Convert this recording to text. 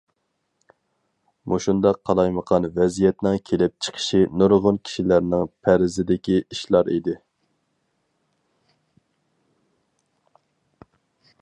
مۇشۇنداق قالايمىقان ۋەزىيەتنىڭ كېلىپ چىقىشى نۇرغۇن كىشىلەرنىڭ پەرىزىدىكى ئىشلار ئىدى.